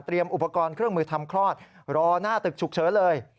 อุปกรณ์เครื่องมือทำคลอดรอหน้าตึกฉุกเฉินเลย